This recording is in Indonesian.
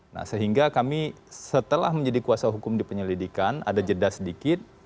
nah sehingga kami setelah menjadi kuasa hukum di penyelidikan ada jeda sedikit